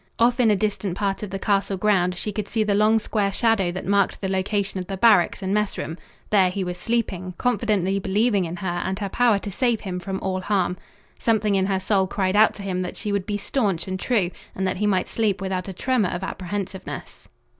Off in a distant part of the castle ground she could see the long square shadow that marked the location of the barracks and messroom. There he was sleeping, confidently believing in her and her power to save him from all harm. Something in her soul cried out to him that she would be staunch and true, and that he might sleep without a tremor of apprehensiveness.